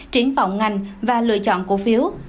triển vọng ngành và lựa chọn cổ phiếu